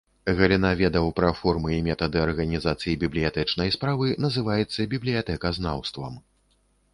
Галіна ведаў пра формы і метады арганізацыі бібліятэчнай справы называецца бібліятэказнаўствам.